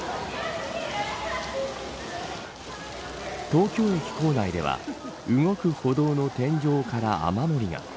東京駅構内では動く歩道の天井から雨漏りが。